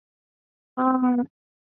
委员会总部设在卡宴附近的郊区。